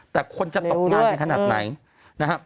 แต่คนจะตกงานขนาดไหน